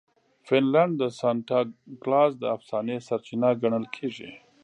فنلنډ د سانتا کلاز د افسانې سرچینه ګڼل کیږي.